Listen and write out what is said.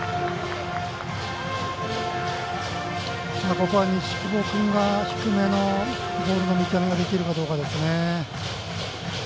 ここは西窪君が低めのボールの見極めができるかどうかですね。